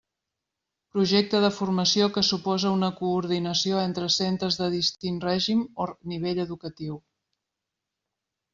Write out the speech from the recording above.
Projecte de formació que suposa una coordinació entre centres de distint règim o nivell educatiu.